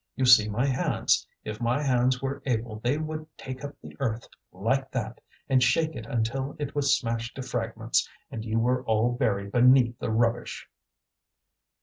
you see my hands; if my hands were able they would take up the earth, like that, and shake it until it was smashed to fragments, and you were all buried beneath the rubbish."